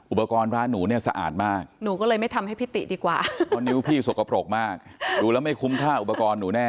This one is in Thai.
อุปกรณ์ร้านหนูเนี่ยสะอาดมาก